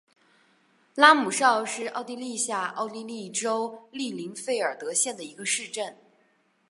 拉姆绍是奥地利下奥地利州利林费尔德县的一个市镇。